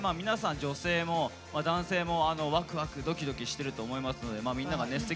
皆さん女性も男性もワクワクドキドキしてると思いますのでみんながね